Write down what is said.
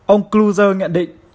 ông kluger nhận định